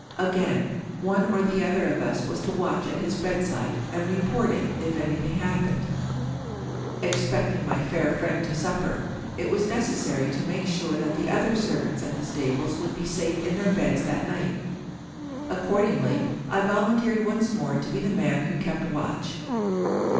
Again, one or the other of us was to watch at his bedside, and report it, if anything hap pened. Expecting my fair friend to supper, it was neces sary to make sure that the other servants at the stables would be safe in their beds that night. Accordingly, I volunteered once more to be the man who kept watch.